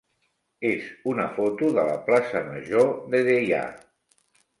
és una foto de la plaça major de Deià.